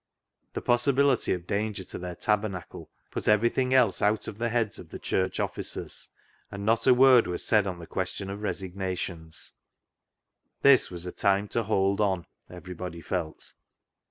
The possibility of danger to their tabernacle put everything else out of the heads of the Church officers, and not a word was said on the question of resignations. This was a time to " hold on," everybody felt.